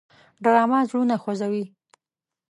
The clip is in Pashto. ډرامه زړونه خوځوي